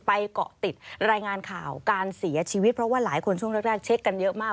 เกาะติดรายงานข่าวการเสียชีวิตเพราะว่าหลายคนช่วงแรกเช็คกันเยอะมาก